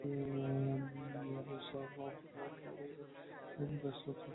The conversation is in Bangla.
এয়ার ওড়িশা হল ওড়িশার একমাত্র চার্টার্ড এয়ারলাইন এবং ভারতের অ নির্ধারিত বিমান সংস্থা।